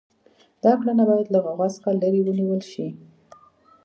دا کړنه باید له غوغا څخه لرې ونیول شي.